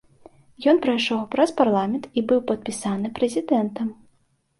Ён прайшоў праз парламент і быў падпісаны прэзідэнтам.